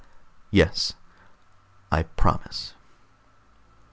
"Yes, I promise."